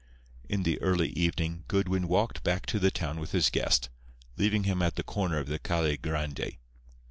In the early evening Goodwin walked back to the town with his guest, leaving him at the corner of the Calle Grande.